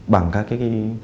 bằng các cái